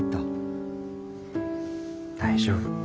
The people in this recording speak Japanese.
大丈夫。